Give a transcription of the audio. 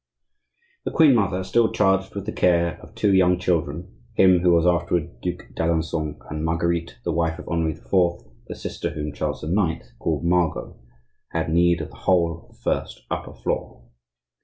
The queen mother, still charged with the care of two young children (him who was afterward Duc d'Alencon, and Marguerite, the wife of Henri IV., the sister whom Charles IX. called Margot), had need of the whole of the first upper floor.